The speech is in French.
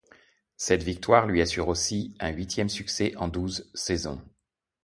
Cette victoire lui assure aussi un huitième succès en douze saisons.